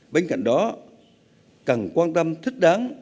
bên cạnh đó cần quan tâm thích đáng